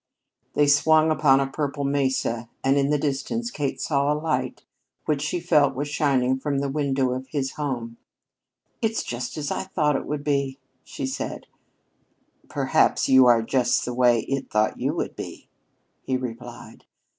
They swung upon a purple mesa, and in the distance Kate saw a light which she felt was shining from the window of his home. "It's just as I thought it would be," she said. "Perhaps you are just the way it thought you would be," he replied.